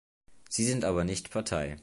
Sie sind aber nicht Partei.